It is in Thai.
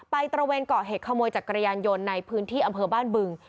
ตระเวนเกาะเหตุขโมยจักรยานยนต์ในพื้นที่อำเภอบ้านบึง